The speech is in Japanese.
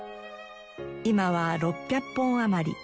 今は６００本余り。